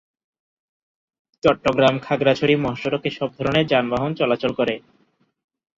চট্টগ্রাম-খাগড়াছড়ি মহাসড়কে সব ধরনের যানবাহন চলাচল করে।